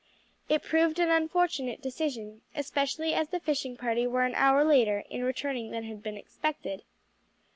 It proved an unfortunate decision, especially as the fishing party were an hour later in returning than had been expected.